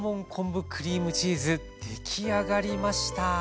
出来上がりました。